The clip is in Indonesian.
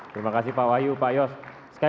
terima kasih pak wahyu pak yos